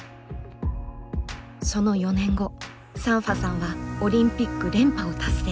その４年後サンファさんはオリンピック連覇を達成。